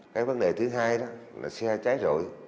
cái vấn đề thứ hai đó là xe cháy rội